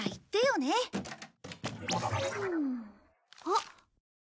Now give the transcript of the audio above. あっ！